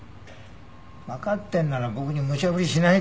わかってるなら僕にむちゃぶりしないでよ。